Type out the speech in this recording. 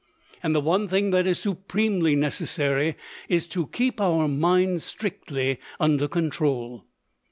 And the one thing that is supremely necessary is to keep our minds strictly under control.